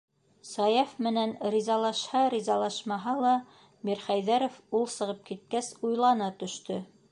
Саяф менән ризалашһа-ризалашмаһа ла Мирхәйҙәров, ул сығып киткәс, уйлана төштө.